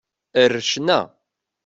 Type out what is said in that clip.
Ɣer ccna.